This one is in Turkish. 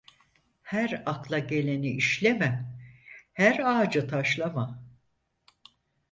Her akla geleni işleme her ağacı taslama.